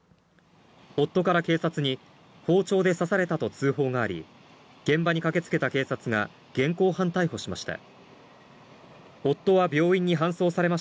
夫から警察に、包丁で刺されたと通報があり、現場に駆けつけた警察が現行犯逮捕しました。